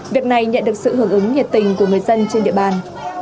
việc này nhận được sự hưởng ứng nhiệt tình của người dân trên địa bàn